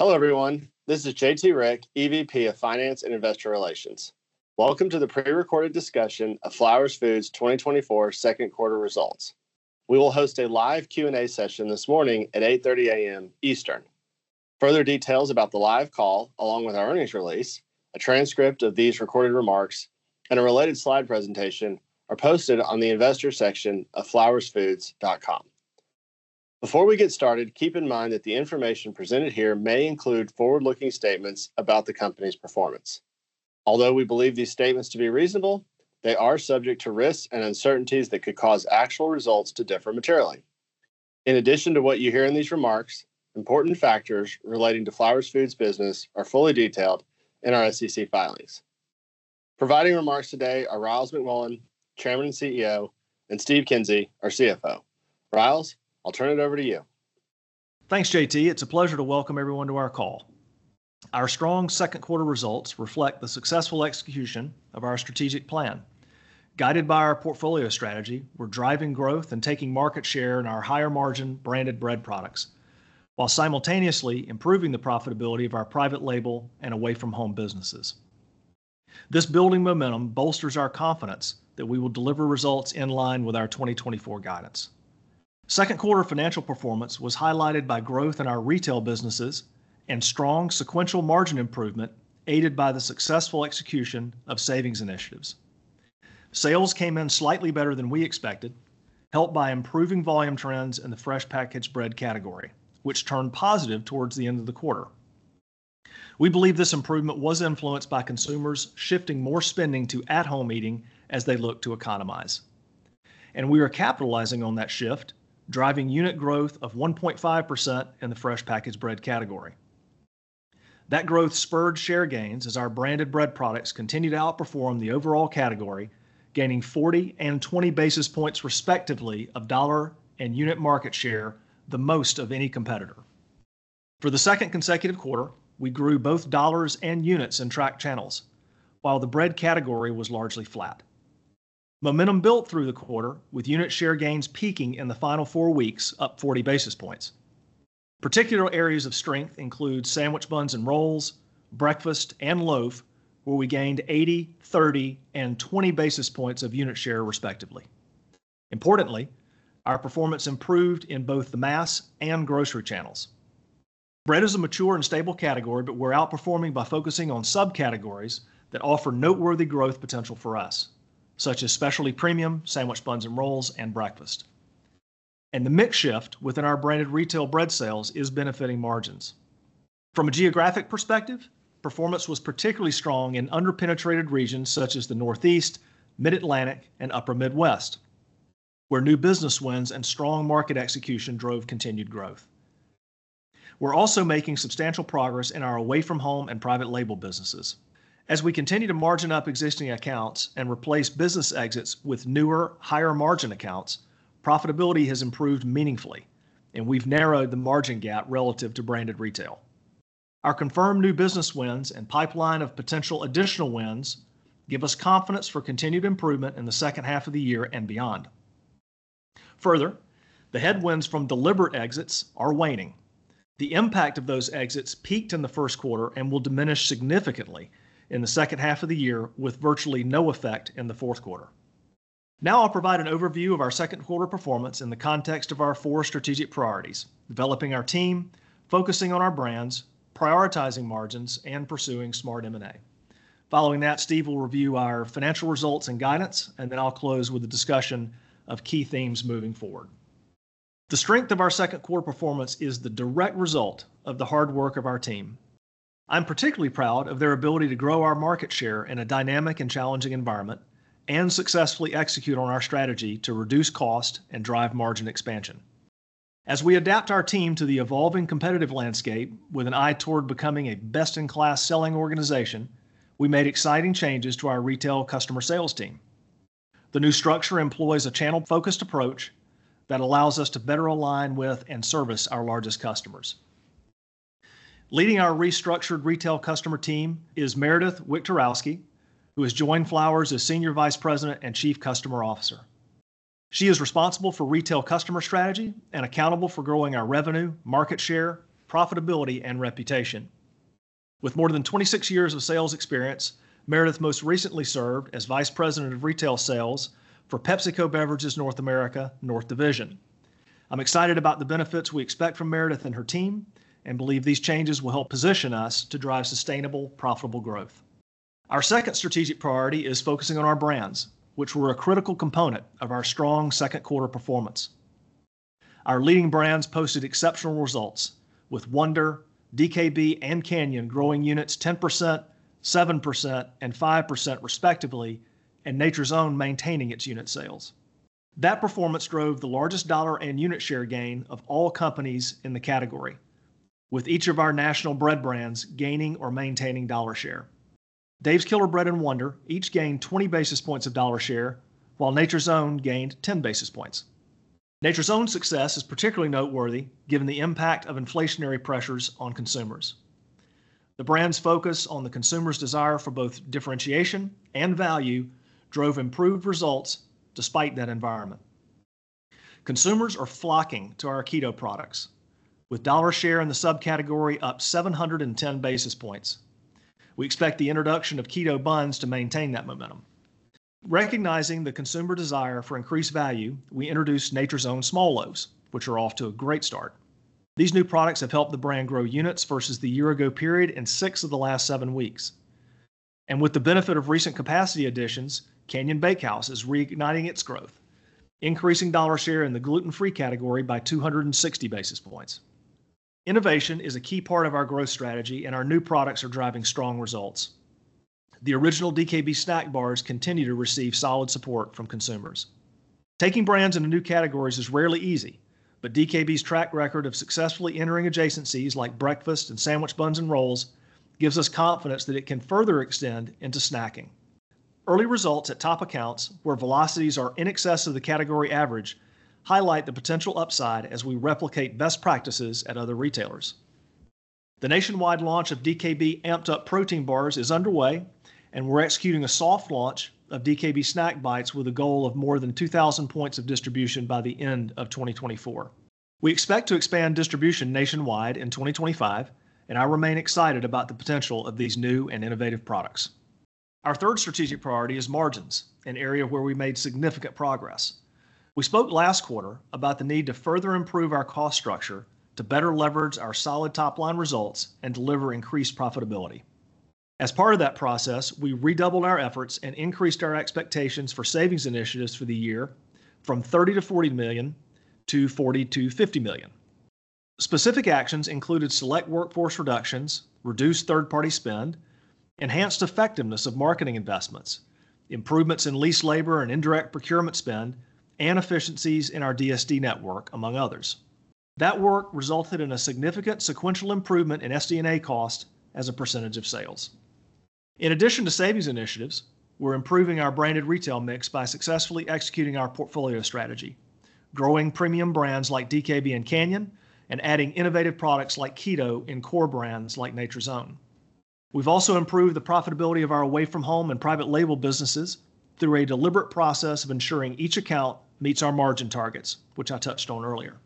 Hello, everyone. This is J.T. Rieck, EVP of Finance and Investor Relations. Welcome to the pre-recorded discussion of Flowers Foods' 2024 second quarter results. We will host a live Q&A session this morning at 8:30 A.M. Eastern. Further details about the live call, along with our earnings release, a transcript of these recorded remarks, and a related slide presentation, are posted on the investor section of flowersfoods.com. Before we get started, keep in mind that the information presented here may include forward-looking statements about the company's performance. Although we believe these statements to be reasonable, they are subject to risks and uncertainties that could cause actual results to differ materially. In addition to what you hear in these remarks, important factors relating to Flowers Foods business are fully detailed in our SEC filings. Providing remarks today are Ryals McMullian, Chairman and CEO, and Steve Kinsey, our CFO. Ryals, I'll turn it over to you. Thanks, J.T. It's a pleasure to welcome everyone to our call. Our strong second quarter results reflect the successful execution of our strategic plan. Guided by our portfolio strategy, we're driving growth and taking market share in our higher-margin branded bread products, while simultaneously improving the profitability of our private label and away-from-home businesses. This building momentum bolsters our confidence that we will deliver results in line with our 2024 guidance. Second quarter financial performance was highlighted by growth in our retail businesses and strong sequential margin improvement, aided by the successful execution of savings initiatives. Sales came in slightly better than we expected, helped by improving volume trends in the fresh packaged bread category, which turned positive towards the end of the quarter. We believe this improvement was influenced by consumers shifting more spending to at-home eating as they look to economize. And we are capitalizing on that shift, driving unit growth of 1.5% in the fresh packaged bread category. That growth spurred share gains as our branded bread products continued to outperform the overall category, gaining 40 basis points and 20 basis points, respectively, of dollar and unit market share, the most of any competitor. For the second consecutive quarter, we grew both dollars and units in tracked channels, while the bread category was largely flat. Momentum built through the quarter, with unit share gains peaking in the final four weeks, up 40 basis points. Particular areas of strength include sandwich buns and rolls, breakfast, and loaf, where we gained 80 basis points, 30 basis points, and 20 basis points of unit share, respectively. Importantly, our performance improved in both the mass and grocery channels. Bread is a mature and stable category, but we're outperforming by focusing on subcategories that offer noteworthy growth potential for us, such as specialty premium, sandwich buns and rolls, and breakfast, and the mix shift within our branded retail bread sales is benefiting margins. From a geographic perspective, performance was particularly strong in under-penetrated regions such as the Northeast, Mid-Atlantic, and Upper Midwest, where new business wins and strong market execution drove continued growth. We're also making substantial progress in our away-from-home and private label businesses. As we continue to margin up existing accounts and replace business exits with newer, higher-margin accounts, profitability has improved meaningfully, and we've narrowed the margin gap relative to branded retail. Our confirmed new business wins and pipeline of potential additional wins give us confidence for continued improvement in the second half of the year and beyond. Further, the headwinds from deliberate exits are waning. The impact of those exits peaked in the first quarter and will diminish significantly in the second half of the year, with virtually no effect in the fourth quarter. Now I'll provide an overview of our second quarter performance in the context of our four strategic priorities: developing our team, focusing on our brands, prioritizing margins, and pursuing smart M&A. Following that, Steve will review our financial results and guidance, and then I'll close with a discussion of key themes moving forward. The strength of our second quarter performance is the direct result of the hard work of our team. I'm particularly proud of their ability to grow our market share in a dynamic and challenging environment and successfully execute on our strategy to reduce cost and drive margin expansion. As we adapt our team to the evolving competitive landscape with an eye toward becoming a best-in-class selling organization, we made exciting changes to our retail customer sales team. The new structure employs a channel-focused approach that allows us to better align with and service our largest customers. Leading our restructured retail customer team is Meredith Wiktorowski, who has joined Flowers as Senior Vice President and Chief Customer Officer. She is responsible for retail customer strategy and accountable for growing our revenue, market share, profitability, and reputation. With more than 26 years of sales experience, Meredith most recently served as Vice President of Retail Sales for PepsiCo Beverages North America, North Division. I'm excited about the benefits we expect from Meredith and her team and believe these changes will help position us to drive sustainable, profitable growth. Our second strategic priority is focusing on our brands, which were a critical component of our strong second quarter performance. Our leading brands posted exceptional results, with Wonder, DKB, and Canyon growing units 10%, 7%, and 5%, respectively, and Nature's Own maintaining its unit sales. That performance drove the largest dollar and unit share gain of all companies in the category, with each of our national bread brands gaining or maintaining dollar share. Dave's Killer Bread and Wonder each gained 20 basis points of dollar share, while Nature's Own gained 10 basis points. Nature's Own success is particularly noteworthy given the impact of inflationary pressures on consumers. The brand's focus on the consumer's desire for both differentiation and value drove improved results despite that environment. Consumers are flocking to our keto products, with dollar share in the subcategory up 710 basis points. We expect the introduction of keto buns to maintain that momentum. Recognizing the consumer desire for increased value, we introduced Nature's Own Small Loaves, which are off to a great start. These new products have helped the brand grow units versus the year ago period in six of the last seven weeks. And with the benefit of recent capacity additions, Canyon Bakehouse is reigniting its growth, increasing dollar share in the gluten-free category by two hundred and sixty basis points. Innovation is a key part of our growth strategy, and our new products are driving strong results. The original DKB snack bars continue to receive solid support from consumers. Taking brands into new categories is rarely easy, but DKB's track record of successfully entering adjacencies like breakfast and sandwich buns and rolls, gives us confidence that it can further extend into snacking. Early results at top accounts, where velocities are in excess of the category average, highlight the potential upside as we replicate best practices at other retailers. The nationwide launch of DKB Amped-Up Protein Bars is underway, and we're executing a soft launch of DKB Snack Bites with a goal of more than 2,000 points of distribution by the end of 2024. We expect to expand distribution nationwide in 2025, and I remain excited about the potential of these new and innovative products. Our third strategic priority is margins, an area where we made significant progress. We spoke last quarter about the need to further improve our cost structure to better leverage our solid top-line results and deliver increased profitability. As part of that process, we redoubled our efforts and increased our expectations for savings initiatives for the year from $30 million-$40 million to $40 million-50 million. Specific actions included select workforce reductions, reduced third-party spend, enhanced effectiveness of marketing investments, improvements in lease labor and indirect procurement spend, and efficiencies in our DSD network, among others. That work resulted in a significant sequential improvement in SD&A cost as a percentage of sales. In addition to savings initiatives, we're improving our branded retail mix by successfully executing our portfolio strategy, growing premium brands like DKB and Canyon, and adding innovative products like Keto in core brands like Nature's Own. We've also improved the profitability of our away-from-home and private label businesses through a deliberate process of ensuring each account meets our margin targets, which I touched on earlier.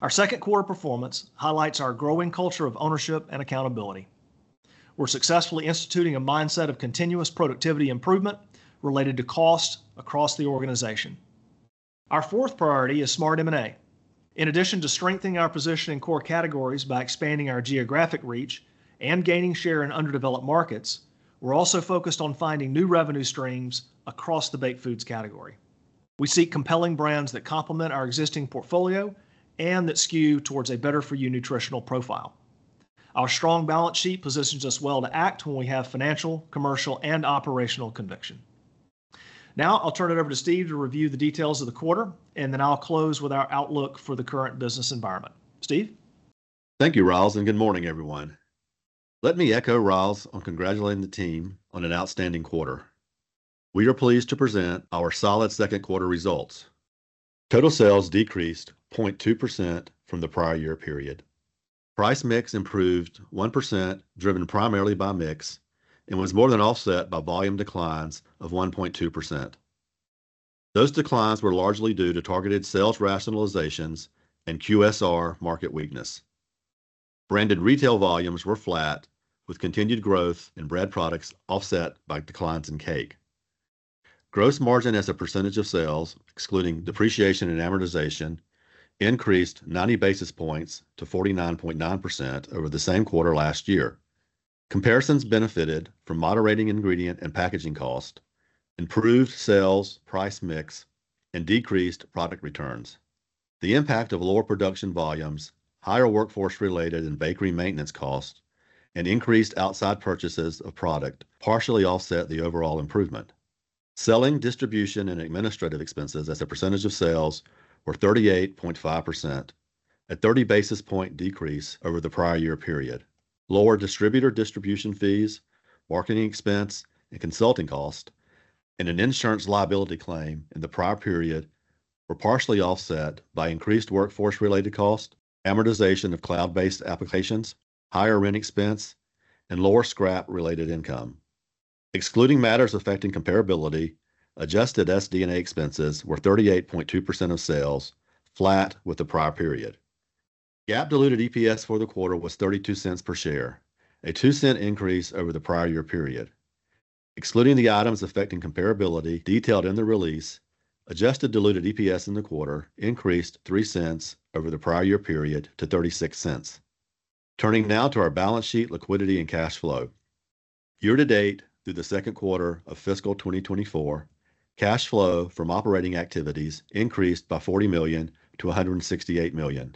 Our second quarter performance highlights our growing culture of ownership and accountability. We're successfully instituting a mindset of continuous productivity improvement related to cost across the organization. Our fourth priority is smart M&A. In addition to strengthening our position in core categories by expanding our geographic reach and gaining share in underdeveloped markets, we're also focused on finding new revenue streams across the Baked Foods category. We seek compelling brands that complement our existing portfolio and that skew towards a better-for-you nutritional profile. Our strong balance sheet positions us well to act when we have financial, commercial, and operational conviction. Now, I'll turn it over to Steve to review the details of the quarter, and then I'll close with our outlook for the current business environment. Steve? Thank you, Ryals, and good morning, everyone. Let me echo Ryals on congratulating the team on an outstanding quarter. We are pleased to present our solid second quarter results. Total sales decreased 0.2% from the prior year period. Price mix improved 1%, driven primarily by mix, and was more than offset by volume declines of 1.2%. Those declines were largely due to targeted sales rationalizations and QSR market weakness. Branded retail volumes were flat, with continued growth in bread products offset by declines in cake. Gross margin as a percentage of sales, excluding depreciation and amortization, increased 90 basis points to 49.9% over the same quarter last year. Comparisons benefited from moderating ingredient and packaging cost, improved sales, price mix, and decreased product returns. The impact of lower production volumes, higher workforce-related and bakery maintenance costs, and increased outside purchases of product partially offset the overall improvement. Selling, distribution, and administrative expenses as a percentage of sales were 38.5%, a 30 basis points decrease over the prior year period. Lower distributor distribution fees, marketing expense and consulting cost, and an insurance liability claim in the prior period were partially offset by increased workforce-related cost, amortization of cloud-based applications, higher rent expense, and lower scrap-related income. Excluding matters affecting comparability, adjusted SD&A expenses were 38.2% of sales, flat with the prior period. GAAP diluted EPS for the quarter was $0.32 per share, a $0.02 increase over the prior year period. Excluding the items affecting comparability detailed in the release, adjusted diluted EPS in the quarter increased $0.03 over the prior year period to $0.36. Turning now to our balance sheet, liquidity, and cash flow. Year to date, through the second quarter of fiscal 2024, cash flow from operating activities increased by $40 million to $168 million.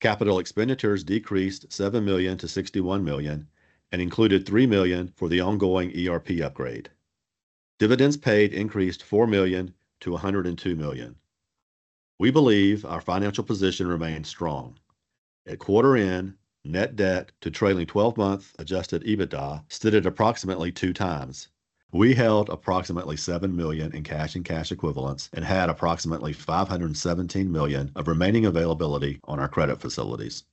Capital expenditures decreased $7 million to $61 million and included $3 million for the ongoing ERP upgrade. Dividends paid increased $4 million to $102 million. We believe our financial position remains strong. At quarter end, net debt to trailing-twelve-month adjusted EBITDA stood at approximately 2x. We held approximately $7 million in cash and cash equivalents and had approximately $517 million of remaining availability on our credit facilities.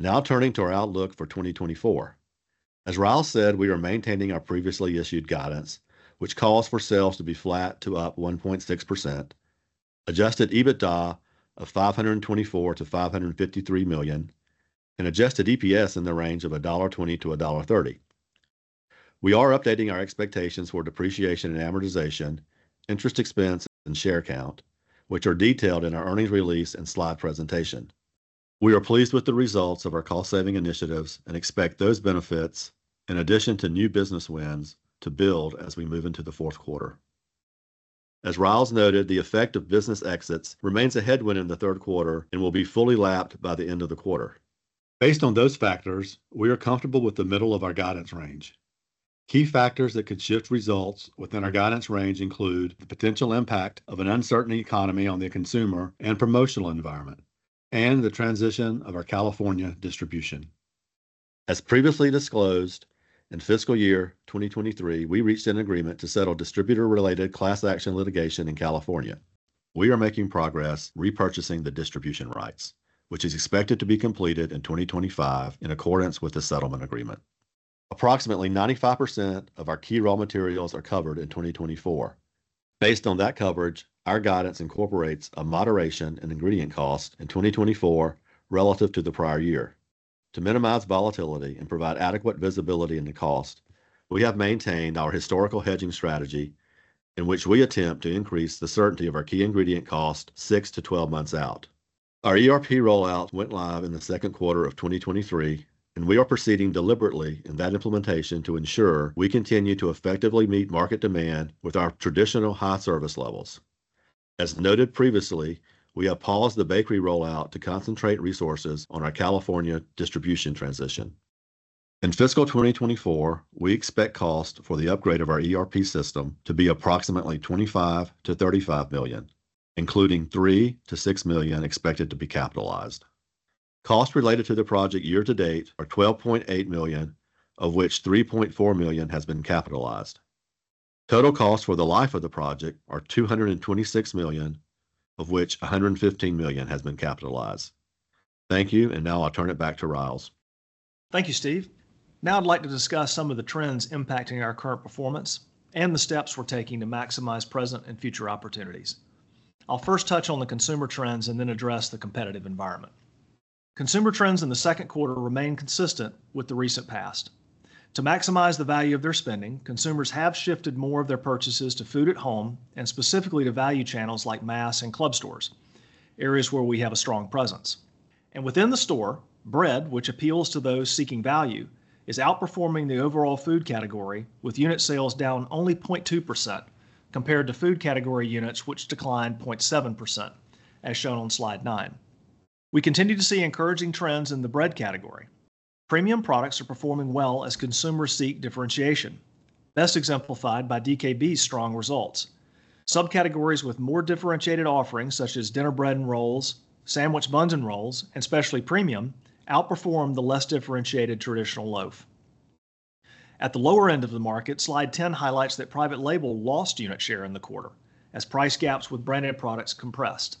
Now turning to our outlook for 2024. As Ryals said, we are maintaining our previously issued guidance, which calls for sales to be flat to up 1.6%, adjusted EBITDA of $524 million-$553 million, and adjusted EPS in the range of $1.20-$1.30. We are updating our expectations for depreciation and amortization, interest expense, and share count, which are detailed in our earnings release and slide presentation. We are pleased with the results of our cost-saving initiatives and expect those benefits, in addition to new business wins, to build as we move into the fourth quarter. As Ryals noted, the effect of business exits remains a headwind in the third quarter and will be fully lapped by the end of the quarter. Based on those factors, we are comfortable with the middle of our guidance range. Key factors that could shift results within our guidance range include the potential impact of an uncertain economy on the consumer and promotional environment and the transition of our California distribution. As previously disclosed, in fiscal year 2023, we reached an agreement to settle distributor-related class action litigation in California. We are making progress repurchasing the distribution rights, which is expected to be completed in 2025, in accordance with the settlement agreement. Approximately 95% of our key raw materials are covered in 2024. Based on that coverage, our guidance incorporates a moderation in ingredient cost in 2024 relative to the prior year. To minimize volatility and provide adequate visibility into cost, we have maintained our historical hedging strategy, in which we attempt to increase the certainty of our key ingredient cost six to twelve months out. Our ERP rollout went live in the second quarter of 2023, and we are proceeding deliberately in that implementation to ensure we continue to effectively meet market demand with our traditional high service levels. As noted previously, we have paused the bakery rollout to concentrate resources on our California distribution transition. In fiscal 2024, we expect cost for the upgrade of our ERP system to be approximately $25-$35 million, including $3-$6 million expected to be capitalized. Costs related to the project year to date are $12.8 million, of which $3.4 million has been capitalized. Total costs for the life of the project are $226 million, of which $115 million has been capitalized. Thank you, and now I'll turn it back to Ryals. Thank you, Steve. Now I'd like to discuss some of the trends impacting our current performance and the steps we're taking to maximize present and future opportunities. I'll first touch on the consumer trends and then address the competitive environment. Consumer trends in the second quarter remain consistent with the recent past. To maximize the value of their spending, consumers have shifted more of their purchases to food at home and specifically to value channels like mass and club stores, areas where we have a strong presence. And within the store, bread, which appeals to those seeking value, is outperforming the overall food category, with unit sales down only 0.2% compared to food category units, which declined 0.7%, as shown on slide nine. We continue to see encouraging trends in the bread category. Premium products are performing well as consumers seek differentiation, best exemplified by DKB's strong results. Subcategories with more differentiated offerings, such as dinner bread and rolls, sandwich buns and rolls, and specialty premium, outperformed the less differentiated traditional loaf. At the lower end of the market, Slide ten highlights that private label lost unit share in the quarter as price gaps with branded products compressed.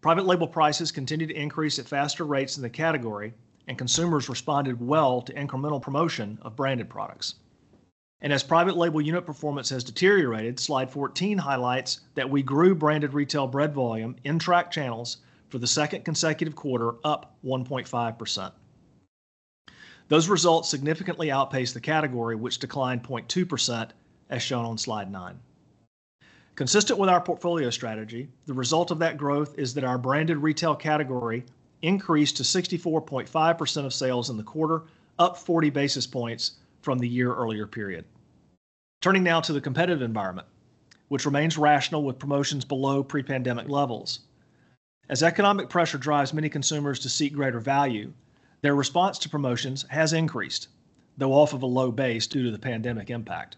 Private label prices continued to increase at faster rates in the category, and consumers responded well to incremental promotion of branded products. As private label unit performance has deteriorated, Slide 14 highlights that we grew branded retail bread volume in track channels for the second consecutive quarter, up 1.5%. Those results significantly outpaced the category, which declined 0.2%, as shown on Slide nine. Consistent with our portfolio strategy, the result of that growth is that our branded retail category increased to 64.5% of sales in the quarter, up 40 basis points from the year earlier period. Turning now to the competitive environment, which remains rational with promotions below pre-pandemic levels. As economic pressure drives many consumers to seek greater value, their response to promotions has increased, though off of a low base due to the pandemic impact,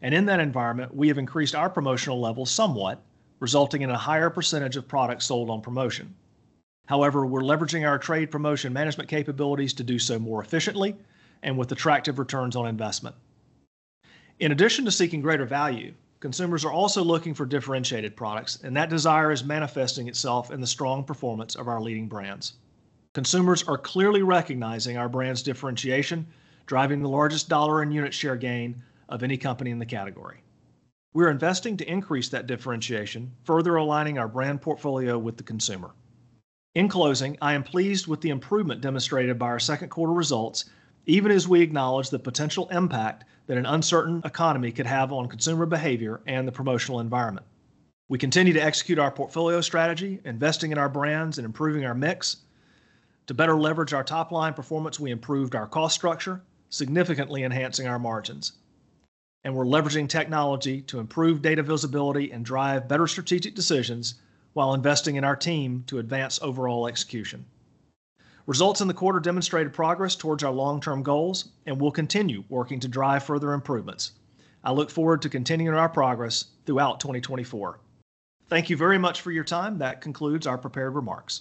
and in that environment, we have increased our promotional level somewhat, resulting in a higher percentage of products sold on promotion. However, we're leveraging our trade promotion management capabilities to do so more efficiently and with attractive returns on investment. In addition to seeking greater value, consumers are also looking for differentiated products, and that desire is manifesting itself in the strong performance of our leading brands. Consumers are clearly recognizing our brand's differentiation, driving the largest dollar and unit share gain of any company in the category. We're investing to increase that differentiation, further aligning our brand portfolio with the consumer. In closing, I am pleased with the improvement demonstrated by our second quarter results, even as we acknowledge the potential impact that an uncertain economy could have on consumer behavior and the promotional environment. We continue to execute our portfolio strategy, investing in our brands and improving our mix. To better leverage our top-line performance, we improved our cost structure, significantly enhancing our margins. And we're leveraging technology to improve data visibility and drive better strategic decisions while investing in our team to advance overall execution. Results in the quarter demonstrated progress towards our long-term goals, and we'll continue working to drive further improvements. I look forward to continuing our progress throughout 2024. Thank you very much for your time. That concludes our prepared remarks.